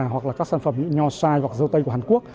hoặc là các sản phẩm nho sai hoặc dâu tây của hàn quốc